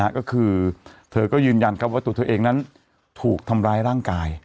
ก็คือเธอก็ยืนยันว่าตัวเธอเองนั้นถูกทำร้ายร่างกาย